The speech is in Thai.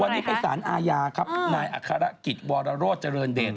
วันนี้ไปสารอาญาครับนายอัครกิจวรโรธเจริญเดช